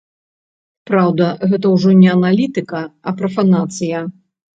Праўда, гэта ўжо не аналітыка, а прафанацыя.